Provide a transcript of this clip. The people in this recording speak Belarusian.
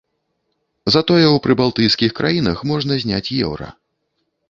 Затое ў прыбалтыйскіх краінах можна зняць еўра.